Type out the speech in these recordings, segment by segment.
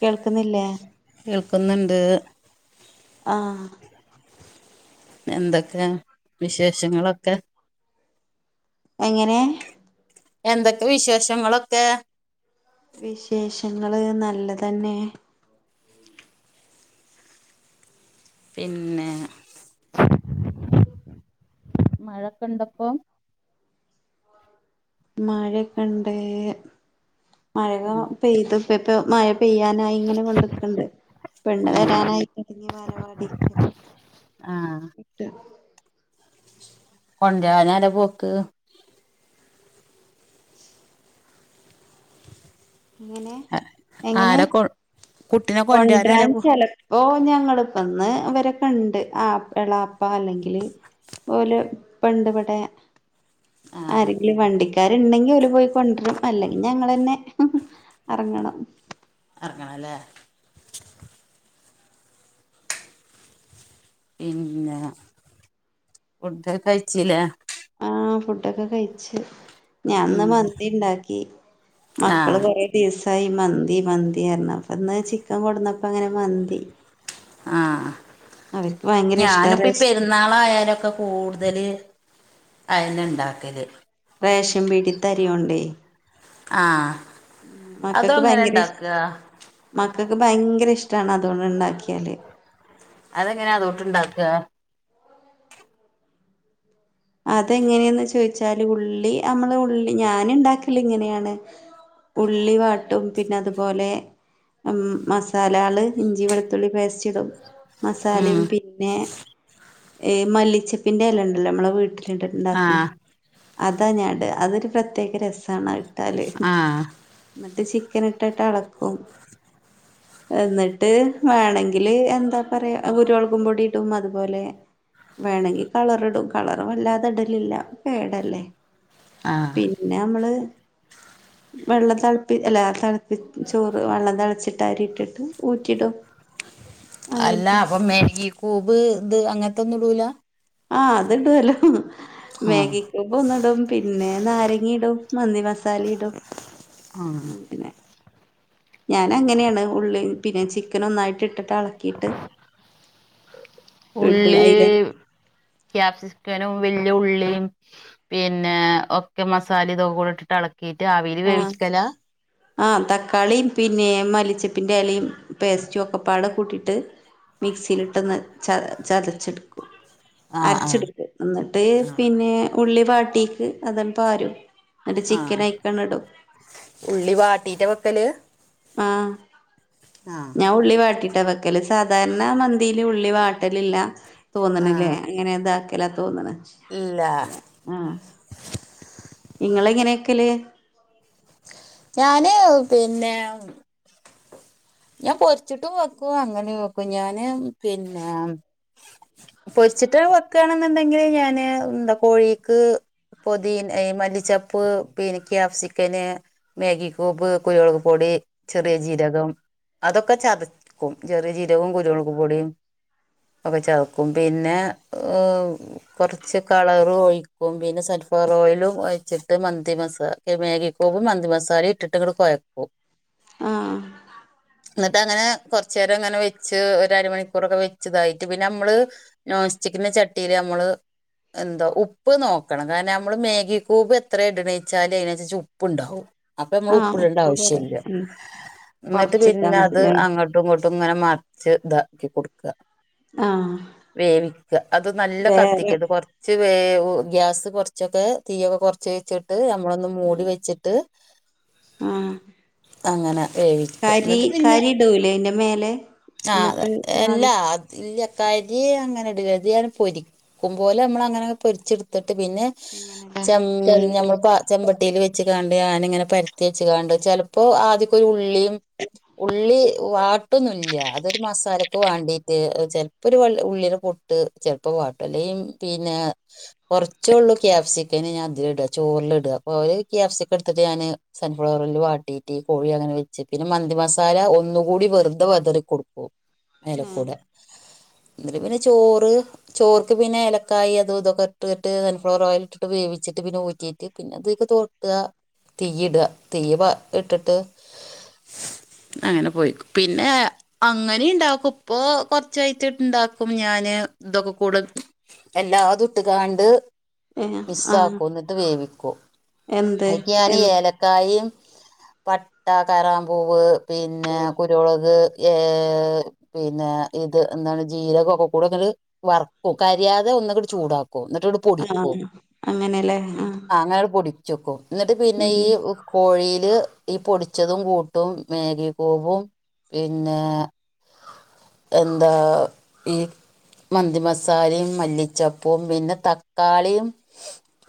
കേൾക്ക്ന്നില്ലേ? കേൾക്കുന്നുണ്ട് ആഹ് എന്തൊക്കെ വിശേഷങ്ങളൊക്കെ? എങ്ങനെ? എന്തൊക്കെ വിശേഷങ്ങളൊക്കെ? വിശേഷങ്ങള് നല്ല തന്നെ. പിന്നെ മഴക്കെ ഇണ്ടപ്പോ? മഴക്കെണ്ട് മഴക പെയ്ത് ഇപ്പ പ്പെ മഴ പെയ്യാനായി ഇങ്ങനെ കൊണ്ട്ക്ക്ണ്ട് പെണ്ണ് ഉം വെരാനായി അടിഞ്ഞി മാലവാടി ആഹ് [unintelligible] കൊണ്ടഞല്ല പോക്ക് എങ്ങനെ എങ്ങനെ ആരാ കൊ കുട്ടിനെ കൊണ്ടരാനാരാ കൊണ്ടൻ പോ ചില ഓഹ് ഞങ്ങിപ്പന്ന് വരെ കണ്ട് ആ എളാപ്പ അല്ലെങ്കില് പോലെ പണ്ട് പടയ ആഹ് ആരെങ്കിലും വണ്ടിക്കാരുണ്ടെങ്കിൽ അവഓല് പോയി കൊണ്ടരും അല്ലെങ്കിൽ ഞങ്ങൾെന്നെ ഇറങ്ങണം ഇറങ്ങണം അല്ലേ പിന്നെ ഫൂഡ കഴിച്ചില്ലേ അഹ് ഫുഡൊക്കെ കഴിച്ചു ഞൻന്ന് ഉം മന്തി ഉണ്ടാക്കി മക്കള് ആഹ് കൊറെ ദിവസായി മന്തി മന്തി റഞ്ഞ അപ്പ ഇന്ന് ചിക്കൻ കൊടുന്നപ്പ അങ്ങനെ മന്തി ആഹ് അവർക്ക് ഭയങ്കര ഇഷ്ടാ ഞാനിപ്പ റേഷൻ പെരുന്നാള ആയാലൊക്കെ കൂടുതൽ അതിനന ഉണ്ടാക്കല് റേഷം പിടിത്തരി ഉണ്ടേ ആഹ് അതും അങ്ങനെ ഉണ്ടാക്കുക മക്കൾക്ക് ഭയങ്കര ഇഷ്ടമാണ് അതുകൊണ്ട് ഉണ്ടാക്കിയാൽ അതെങ്ങനാ അതോട്ട്ണ്ടാക്കുക അതെങ്ങനെയന്ന് ചോദിച്ചാല് ഉള്ളി നമ്മള് ഉള്ളി ഞൻ ഉണ്ടാക്കല ഇങ്ങനെയാണ് ഉള്ളി വാട്ടും പിന്നെ അതുപോലെ മസാല ആള് ഇഞ്ചി വെളുത്തുള്ളി പേസ്റ്റ് ഇടും മസാലയും ഉം പിന്നെ മല്ലിച്ചപ്പിന്റെ അല ഉണ്ടല്ലോ നമ്മളെ വീട് ണ്ടണ്ടാക്കണേ ആഹ് അതാ ഞാണ്ട് അതൊരു പ്രത്യേക രസണോ ഇട്ടാല് ആഹ് എന്നിട്ട് ചിക്കൻ ഇട്ടിട്ട് അളക്കും എന്നിട്ട് വേണമെങ്കില് എന്താ പറയാ ഗുരുവളകും പൊടിടും അതുപോലെ വേണമെങ്കി കളർ ഇടും കളർ വല്ലാതെ ഇടലില്ല പേടല്ലേ ആഹ് പി പിന്നെ നമ്മള് വെള്ളം തിളപ്പി എല്ലാ തിളപ്പി ചോറ് വെള്ളം തിളച്ചിട്ട് അരി ഇട്ടിട്ട് ഊറ്റിടും അ അല്ല അപ്പം മേരിഗ കൂബ് ഇത് അങ്ങനത്തെന്നും ഇടൂല ആഹ് അത്ടല്ലോ ആഹ് മാഗി പന്നിടും പിന്നെ നാരങ്ങി ഇടും മന്തി മസാല ഇടും ആഹ് [unintelligible] ഞാൻ അങ്ങനെയാണ് ഉള്ളി പിന്നെ ചിക്കൻ ഒന്നായിട്ട് ഇട്ടിട്ട് അളക്കിയിട്ട് [unintelligible] ഉള്ളി അയില് ഉം ക്യാപ്സിക്കനും വല്യ ഉള്ളിയും പിന്നെ ഒക്കെ മസാല ഇതൊക്കെ കൂടെ ഇട്ടിട്ട് എള എളക്കീട്ട് ആവീല് ആഹ് വേവിച്ച്ക്കല [unintelligible] ആഹ് തക്കാളിയും പിന്നെ മല്ലിച്ചപ്പിൻ്റെ എലയും പേസ്റ്റും ഒക്കെപ്പാടെ കൂട്ടിയിട്ട് മിക്സിയിലിട്ടൊന്ന് ച ചതച്ചെടുക്കും ആഹ് ആഹ് അരച്ചെടുക്കും എന്നിട്ട് ആഹ് പിന്നെ ഉള്ളി പാട്ടിക്ക് അതെ [unintelligible] എന്നിട്ട് ചിക്കൻ ആഹ് അയിക്കങ്ങട് ഇടും ഉള്ളി വാട്ടീറ്റ വക്കല് ആഹ് ആഹ് ഞാൻ ഉള്ളി വാട്ടിട്ടാ വെക്കല് സാധാരണ മന്തിയില് ഉള്ളി വാട്ടലില്ല തോന്നണില്ലേ ആഹ് അങ്ങനെ ഇതാക്കല്ല തോന്നണ ഇല്ല ആഹ് ഇങ്ങളെങ്ങനെയാക്കല് ഞാന് പിന്നെ ഞാൻ പൊരിച്ചിട്ടും വെക്കും അങ്ങനെ വെക്കും ഞാന് പിന്നെ പൊരിച്ചിട്ട് വെക്കയാണെന്നുണ്ടെങ്കില് ഞാന് എന്താ കോഴിക്ക് പൊതിന മല്ലിച്ചപ്പ് പിന്നെ ക്യാപ്സിക്കന് മാഗിക്യൂബ് കുരുമൊളക് പൊടി ചെറിയ ജീരകം അതൊക്കെ ചതക്കും ചെറിയ ജീരകവും കുരുമുളക് പൊടിയും ഒക്കെ ചേർക്കും പിന്നെ കുറച്ച് കളറ് ഒഴിക്കും പിന്നെ സൺഫ്ലവർ ഓയിലും ഒഴിച്ചിട്ട് മന്തി മസാല മാഗി ക്യൂബും മന്തി മസാലയും ഇട്ടിട്ടങ്ങട് കൊയക്കും ആഹ് എന്നിട്ട് അങ്ങനെ കൊറച്ചേരം അങ്ങനെ വെച്ച് ഒരരമണിക്കൂറൊക്കെ വെച്ചിതായിട്ട് പിന്നെ അമ്മള് നോൺസ്റ്റിക്കിന്റെ ചട്ടിയില് അമ്മള് എന്താ ഉപ്പ് നോക്കണം കാരണം നമ്മള് മേഗിക്യൂബ് എത്ര ഇടണീച്ചാല് അതിനനുസരിച്ച് ഉപ്പ് ഉണ്ടാവും അപ്പൊ നമ്മള് ആഹ് ഉപ്പിടേണ്ട ഉപ്പ് കുറവ് ആവശ്യം ഇല്ല ഉം ഇന്നട്ട് കൊറച്ചിട്ടാ മതില്ലേ അങ്ങോട്ടും ഇങ്ങോട്ടും ഇങ്ങനെ മറിച്ച് ഇതാക്കി കൊടുക്ക ആഹ് വേവിക്ക അത് നല്ല വേറെ കത്തിക്കലത് കൊറ കൊറച്ച് വേവു ഗ്യാസ് കുറച്ചൊക്കെ തീയൊക്കെ കൊറച്ച് വെച്ചിട്ട് നമ്മളൊന്ന് മൂടി ആഹ് വെച്ചിട്ട് ആഹ് അങ്ങനെ വേവിക്ക കരി ന്നട്ട് കരി ഇടൂലേ അതിന്റെ മേലെ എന്നിട്ട് [unintelligible] അത്ല്ല കരി അങ്ങനെ ഇടൂല ഇത് ഞാൻ പൊരി ഒക്കുമ്പോലെ അമ്മൾ അങ്ങനൊക്കെ പൊരിച്ചെടുത്തിട്ട് പിന്നെ അങ്ങനെല്ലേ ച ഞമ്മളിപ്പോ ചെമ്പട്ടിയിൽ വെച്ച്ങ്ങാണ്ട് ഞാനിങ്ങനെ പരുത്തി വെച്ച് കാണ്ട് ചെലപ്പോ ആദ്യക്കൊരുള്ളിയും ഉള്ളി വാട്ടൊന്നുല്യ അത് മസാലൊക്കെ വാണ്ടിട്ട് ചെലപ്പൊ ഒരു ഉള്ളീടെ പൊട്ട് ചെലപ്പ വാട്ടും അല്ലെങ്കി പിന്നെ കുറച്ചേള്ളൂ ക്യാപ്സിക്കേ ഞാനതില് ഇട ചോറിലിടുക അപ്പൊ അവര് ക്യാപ്സിക്ക എടുത്തിട്ട് ഞാന് സൺഫ്ലവറിൽ വാട്ടീയിറ്റ് കോഴി അങ്ങനെ വച്ച് പിന്നെ മന്തി മസാ സമസാല ഒന്നുകൂടി വെറുതെ വെതറി കൊടുക്കും മേലെക്കൂടെ [unintelligible] എന്നിട്ട് പിന്നെ ചോറ് ചോർക്ക് പിന്നെ ഏലക്കായി അതു ഇതൊക്കെ ഇട്ട് ഇട്ട് സൺഫ്ലവർ ഓയിലിട്ടിട്ട് വേവിച്ചിട്ട് പിന്നെ ഊറ്റിട്ട് പി പിന്ന അതൊക്കെ തൊട്ട തീയ്യ് ഇട തീയ് ഇട്ടിട്ട് അങ്ങനെ പോയി പിന്നെ അങ്ങനെ ഇണ്ടാക്കും ഇപ്പൊ കൊറച്ചയിറ്റം ഇട്ടിട്ട് ണ്ടാക്കും ഞാന് ഇതൊക്കെ കൂടെ എല്ലാതുട്ട്കാണ്ട്. ഏഹ് ആഹ് മിസ്സാക്കും എന്നിട്ട് വേവിക്കും. എന്ത് അയിക്ക് ഞാന് എൻ ഏലക്ക. പട്ട, കറാംമ്പൂവ് പിന്നെ,. രൊളക്. ഏഹ് പിന്നെ ഇത് എന്താണ് ജീരകൊക്കെ കൂടെങ്ങട് വറക്കും. കരിയാതെ ഒന്ന്ങ്ങട്ട് ചൂടാക്കും. എന്നിട്ട് ഇ പൊടിക്കും. ആഹ് അങ്ങനെല്ലേ ആഹ് അങ്ങനെട്ട് പൊടിക്കും. ച്ചക്കും. എന്നിട്ട് പിന്നെ ഉം ഈ കോഴീല് ഈ പൊടിച്ചതും കൂട്ടും. മാഗി കൂബും, പിന്നെ. എന്താ ഈ. മന്തി മസാലിം മല്ലിച്ചപ്പും പിന്നെ തക്കാളിം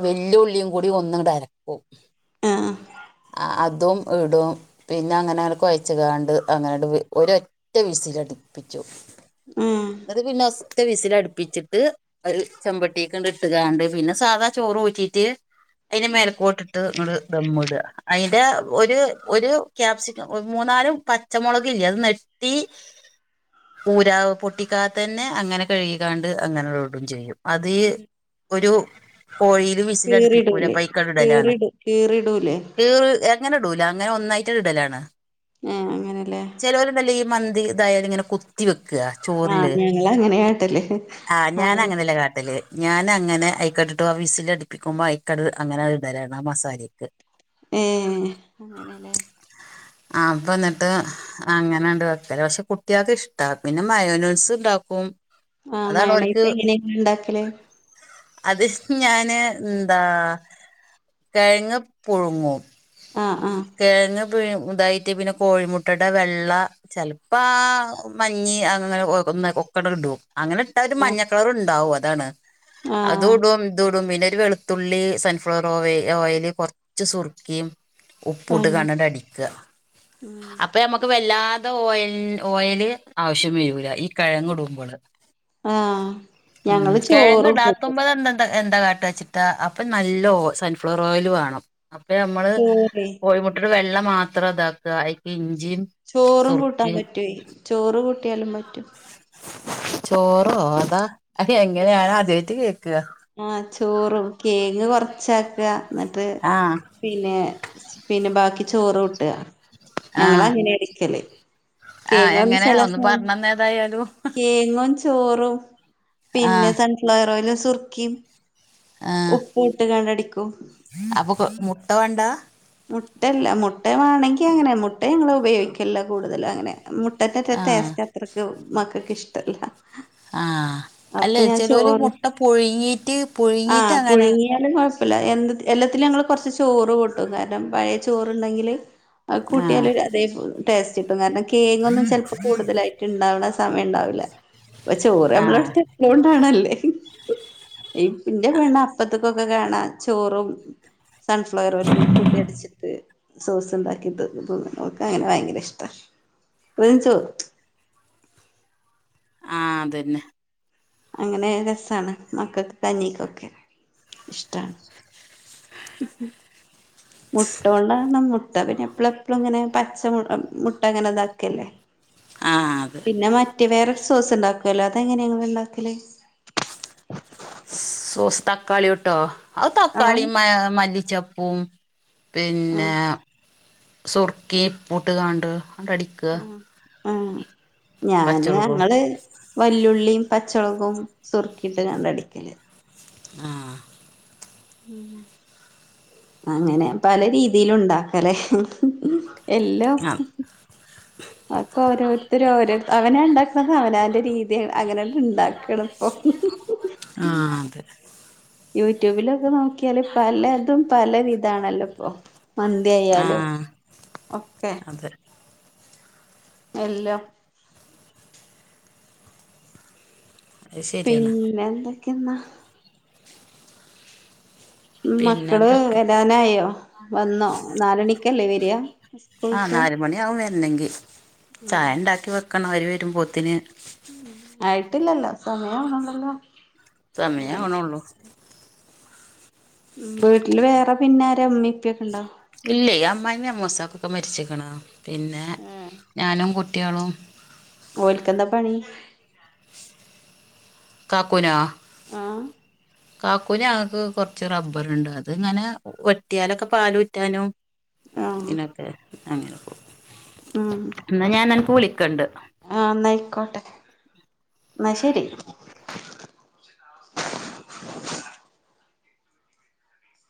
വെല്ല്യ ഉള്ളീം കൂടി ഒന്നങ്ങട്ടരക്ക. ക്കും ആഹ് ആ അതും ഇടും പിന്നങ്ങനെ കൊയച്ച്കാണ്ട് അങ്ങനെ വേ ഒരൊറ്റ വിസിലട്പ്പിച്ചും. ഉം അത് പിന്നെ ഫസ്റ്റ് വിസിലടുപ്പിച്ചിട്ട്. അത് ഒരു ചെമ്പട്ടീക്ക്ണ്ട് ഇട്ട്കാണ്ട് പിന്നെ സാധാ ചോറ് ഊറ്റീട്ട്. അയ്‌ന്റെ ആഹ് മേലക്കോട്ടിട്ട് ഇങ്ങട് ദമ്മ്ടാ അതിന്റെ ഒരു ഒരു കാപ്സി മൂന്നാല് പച്ചമുളക് ഇല്ലെ അത് നെട്ടി ഊരാ പൊട്ടിക്കാതെതന്നെ അങ്ങനെ കഴ്കികാണ്ട് അങ്ങനെട്ഇടും ചെയ്യും. അതീ ഒരു. കോഴിയില് വിസിലടുപ്പിക്കൂലെ കീറിടൂലേ അപ്പയ്ക്കാണ്ട് ഇടലാണ്. കീറിടു കീറിടൂലേ കീറു അങ്ങനെ ഇടൂല അങ്ങനെ ഒന്നായിട്ട് ഇടലാണ്. ഏഹ് അങ്ങനെലേ? ചേലോരുണ്ടല്ലോ ഈ മന്തി ഇതായാല്ങ്ങനെ കുത്തിവെക്കാ. ആഹ് ചോർല് ഞങ്ങളങ്ങനെയാട്ടല് ആഹ് ഞാനങ്ങനല്ല കാട്ടല്. ഞാന് അങ്ങനെ അയിക്കട്ടിട്ട് വിസിലടുപ്പിക്കുമ്പോ അയിക്കട് അങ്ങനാണ്ട് ഇടലാണ്. ആ മസാലീക്ക്. ഏഹ് അങ്ങനെലേ? ആഹ് പ്പന്നിട്ട്. അങ്ങനണ്ട് വെക്കലാ പക്ഷേ കുട്ട്യാക്ക് ഇഷ്ടാ പിന്നെ മയോനെയ്സ്ണ്ടാക്കും. ആഹ് മയണൈസ് എങ്ങനെങ്ങള് ണ്ടാക്കല്? അത് ഞാന് ന്താ കെഴങ്ങ് പുഴുങ്ങും. ആഹ് ആഹ് കെഴങ്ങ് പി ഇതായിട്ട് പിന്നെ കോഴിമുട്ടടെ വെള്ള. ചെൽപ്പ ആ മഞ്ഞി അങ്ങനെ ഒന്ന് ഒകാണ്ട്ടും. അങ്ങനെ ഇട്ട ഒരു ആ മഞ്ഞ കളർണ്ടാവും അതാണ് ആ അതുടും ഇതുടും പിന്നെ ഒരു വെളു തുള്ളി സൺഫ്ലവർ ഓ ഓയല് കൊർച്ച് സുർക്കിം. ആ ഉപ്പൂട്ട്ക്കാണ്ടണ്ട് അടിക്കാ ഉം അപ്പ നമ്മുക്ക് വല്ലാതെ ഓയൽ ഓയല് ആവശ്യം വരൂല ഈ കെഴങ്ങ് ഇടുമ്പള്. ആ ഉം ഞങ്ങള് ചോറും കൂട്ടും കെഴങ്ങടാത്തുമ്പത്ണ്ട [unintelligible] എന്താ കാട്ടാച്ചിട്ടാ അപ്പൊ നല്ല ഓ സൺഫ്ലവർ ഓയല് വേണം അപ്പ നമ്മള് പി കോഴിമുട്ടടെ വെള്ള മാത്രം ഇതാക്കാ അയിക്ക് ഇഞ്ചിം ചോറും കൂട്ടാൻ പറ്റൊയ് ചോറ് കൂട്ടിയാലും പറ്റും. ചോറോ? അതാ അത് എങ്ങനെ? ഞാനാദ്യായിട്ട് കേക്കാ. ആഹ് ചോറും കേങ്ങ് കൊറച്ചാക്കാ ന്നിട്ട്. ആഹ് പിന്നെ പിന്നെ ബാക്കി ചോറൂട്ടാ ഞങ്ങള് ആഹ് അങ്ങനെ അടിക്കല്. ആഹ് എങ്ങനെ? ഒന്ന് പറഞ്ഞന്ന ഏതായാലും. കേങ്ങും, ചോറും പിന്നെ ആഹ് സൺഫ്ലവർ ഓയലും, സുർക്കിം ആഹ് ഉപ്പുട്ട്ങ്ങാണ്ടടിക്കും. അപ്പൊ മുട്ട വാണ്ടാ? മുട്ടല്ല മുട്ട വാണെങ്കി അങ്ങനെ മുട്ട ഞങ്ങള് ഉപയോഗിക്കലില്ല കൂടുതലും അങ്ങനെ മുട്ടന്റെ [unintelligible] ആഹ് ടേസ്റ്റത്രക്ക് മക്കക്കിഷ്ടല്ല ആഹ് അല്ലെയ് ചെലോല് മുട്ട പുഴുങ്ങീറ്റ് പുഴുങ്ങീറ്റങ്ങനേണ് നായാലും കൊഴപ്പല്ല എൽ [unintelligible] കൊഴ്പ്പല്ല എന്തത്തി എല്ലത്തിലും ഞങ്ങള് കൊർച്ച് ചോറ് കൂട്ടും കാരണം പഴേചോറ്ണ്ടെങ്കില് അത് ആഹ് കൂട്ടിയാലൊരു അതേ ടേസ്റ്റ്ട്ടും കാര്ണം കേങ്ങൊന്നും ചെൽപ്പൊ കൂടുതലായി ണ്ടാവണ സമയംണ്ടാവില്ല അപ്പ ചോറ് ആഹ് നമ്മളട്ത്ത് എപ്പളുംണ്ടാവ്ണതല്ലേ ഇ ഇന്റെ പെണ്ണപ്പത്തിക്കൊക്കെ കാണാ ചോറും സൺഫ്ലവറോയിലും കൂട്ടിയട്ച്ചിട്ട് സോസ് ണ്ടാക്കി തി തിന്നുണു ഓക്കങ്ങനെ ഭയങ്കരഷ്ട [unintelligible] ആഹ് അതന്നെ അങ്ങനെ രസാണ് മക്കക്ക് കഞ്ഞിക്കൊക്കെ ഇഷ്ടാ മുട്ടോണ്ടാകണം മുട്ട പിന്നെപ്പളെപ്പളും ങ്ങനെ പച്ച മുട്ട ങ്ങനെ താക്കല്ലേ ആഹ് അത് പിന്നെ മറ്റേ വേറൊരു സോസ് ണ്ടാക്കുവോലോ അതെങ്ങനെങ്ങള് ണ്ടാക്കല് സോസ് തക്കാളിയോട്ടോ അത് തക്കാളി ആഹ് മ മല്ലിച്ചപ്പും പിന്നെ ആഹ് സുർക്കിം പ്പുട്ട്ങ്ങാണ്ട് പടിക്ക ഉം ഞാന് പച്ചമുളകും ഞങ്ങള് വല്ലുള്ളീം പച്ചൊളകിം സുർക്കിട്ട്ങ്ങാണ്ടടിക്ക ആഹ് അങ്ങനെ പല രീത്തിലുണ്ടാക്കലേ യെല്ലോ അതൊക്കോരോര്ത്തരോരോ അവനണ്ടാക്ക്‌ണതവനാന്റെ രീതി അങ്ങനങ്ങട്ട് ണ്ടാക്കണം ആഹ് അതെ യൂട്യൂബിലൊക്കെ നോക്കിയാല് പലതും പല വിധാണല്ലോപ്പൊ ആ മന്തിയായാലും ഓക്കെ അതെ എല്ലാം അത് ശരിയാണ് പിന്നെന്തൊക്കേന്നാ പിന്നെ മ്മക്കള് എന്തൊക്കെ വരാനായോ വന്നോ നാലണിക്കല്ലേ വരിയാ ആഹ് നാല് മണിയാവും വെര്ണങ്കി ഉം ചായ ണ്ടാക്കി വെക്കണവര് വെരുമ്പോത്തിന് ആയിട്ടില്ലല്ലോ സമയാവ്ണൊള്ളോല്ലോ സമയാവ്ണൊള്ളൂ വീട്ടില് വേറെപിന്നാര മ്മി പ്പി ഒക്കെണ്ടോ ക്കില്ലയ് അമ്മായ്മിം അമ്മോസക്കി ഒക്കെ മരിച്ചിക്ക്ണ് പിന്നെ ആഹ് ഞാനും കുട്ടിയാളും ഓൽക്കെന്താ പണി കാക്കൂനോ ആഹ് കാക്കു ഞങ്ങക്ക് കൊർച്ച് റബ്ബറ്ണ്ട് അത്ങ്ങനെ വെട്ടിയാലൊക്കെ പാലൂറ്റാനും ആഹ് തിനൊക്കെ അങ്ങനെ ഉം ന്നാ ഞാനനക്ക്‌ വുളിക്കണ്ട് ആഹ് ന്നയ്ക്കോട്ടെ ന്നാ ശരി